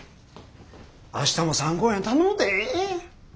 明日も３公演頼むで。